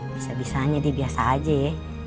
bisa bisanya dia biasa aja ya